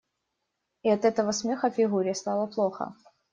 И от этого смеха Фигуре стало плохо.